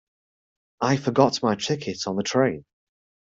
I forgot my ticket on the train.